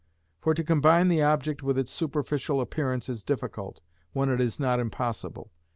For to combine the object with its superficial appearance is difficult, when it is not impossible.